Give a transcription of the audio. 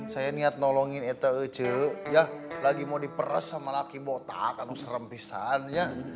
saya niat nolongin itu aja ya lagi mau diperas sama laki laki botak serempisannya